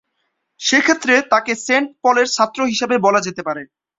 সেক্ষেত্রে তাকে সেন্ট পলের ছাত্র হিসেবে বলা যেতে পারে।